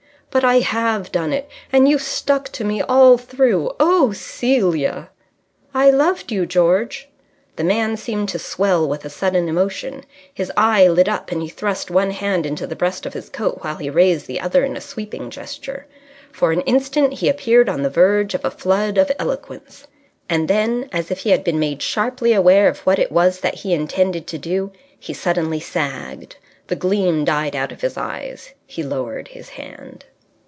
"But I have done it. And you stuck to me all through! Oh, Celia!" "I loved you, George!" The man seemed to swell with a sudden emotion. His eye lit up, and he thrust one hand into the breast of his coat while he raised the other in a sweeping gesture. For an instant he appeared on the verge of a flood of eloquence. And then, as if he had been made sharply aware of what it was that he intended to do, he suddenly sagged. The gleam died out of his eyes. He lowered his hand.